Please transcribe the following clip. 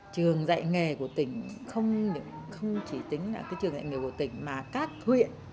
trường dạy nghề của tỉnh không chỉ tính là trường dạy nghề của tỉnh mà các huyện